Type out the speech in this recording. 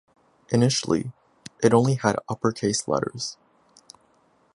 Initially, it only had upper-case letters.